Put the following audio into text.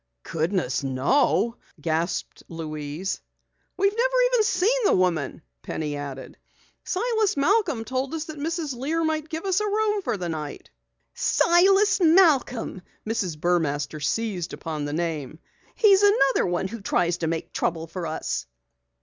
"Goodness, no!" gasped Louise. "We've never even seen the woman," Penny added. "Silas Malcom told us that Mrs. Lear might give us a room for the night." "Silas Malcom!" Mrs. Burmaster seized upon the name. "He's another who tries to make trouble for us!"